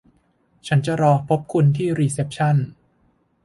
ฉันจะรอพบคุณที่รีเซ็ปชั่น